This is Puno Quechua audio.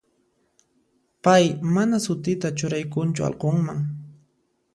Pay mana sutita churaykunchu allqunman.